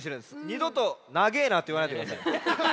にどと「なげえな」っていわないでください。